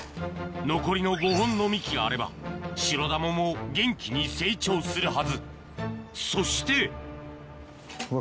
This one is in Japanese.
残りの５本の幹があればシロダモも元気に成長するはずそしてすごいや。